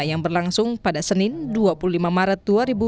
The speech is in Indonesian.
yang berlangsung pada senin dua puluh lima maret dua ribu dua puluh